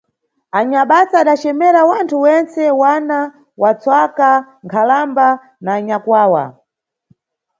Anyabasa adacemera wanthu wentse, wana, masvaka, nkhalamba na anyakwawa.